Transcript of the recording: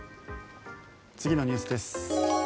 次のニュースです。